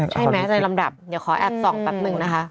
ใช่ไหมในลำดับเดี๋ยวขอแอบส่องแป๊บหนึ่งนะคะ